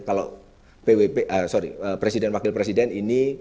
kalau presiden wakil presiden ini